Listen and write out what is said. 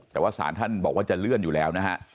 แต่ว่าศาลท่านบอกว่าจะเลื่อนอยู่แล้วนะฮะ